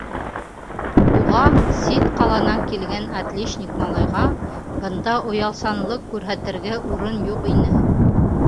Уға, сит ҡаланан килгән отличник малайға, бында оялсанлыҡ күрһәтергә урын юҡ ине.